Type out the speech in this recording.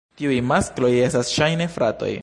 Tiuj maskloj estas ŝajne fratoj.